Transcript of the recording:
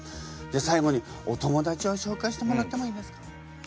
じゃ最後にお友達を紹介してもらってもいいですか？